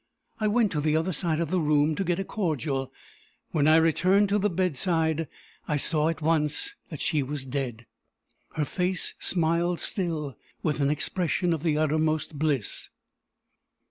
I went to the other side of the room to get a cordial. When I returned to the bedside, I saw at once that she was dead. Her face smiled still, with an expression of the uttermost bliss."